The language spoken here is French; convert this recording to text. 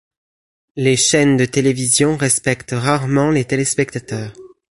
Les chaînes de télévision respectent rarement les téléspectateurs.